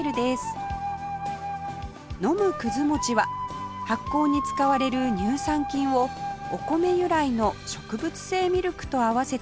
飲むくず餅は発酵に使われる乳酸菌をお米由来の植物性ミルクと合わせた飲み物